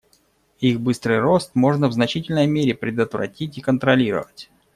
Их быстрый рост можно в значительной мере предотвратить и контролировать.